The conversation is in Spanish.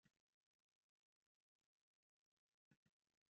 Su padre era un marino mercante y su madre era una criada.